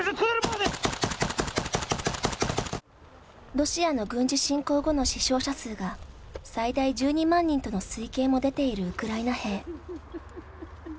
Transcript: ロシアの軍事侵攻後の死傷者数が最大１２万人との推計も出ているウクライナ兵。